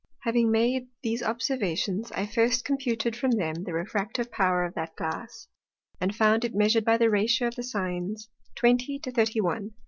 Having made these Observations, I first computed from them the refractive Power of that Glass, and found it measur'd by the ratio of the Sines, twenty to thirty one.